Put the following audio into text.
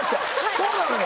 そうなのよ。